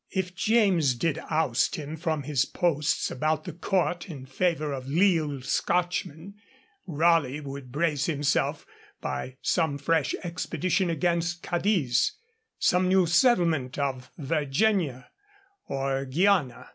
If James did oust him from his posts about the Court in favour of leal Scotchmen, Raleigh would brace himself by some fresh expedition against Cadiz, some new settlement of Virginia or Guiana.